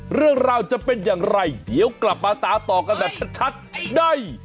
เรื่องราวจะเป็นอย่างไรเดี๋ยวกลับมาตามต่อกันแบบชัดได้